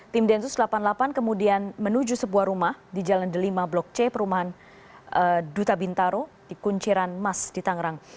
tim densus delapan puluh delapan kemudian menuju sebuah rumah di jalan delima blok c perumahan duta bintaro di kunciran mas di tangerang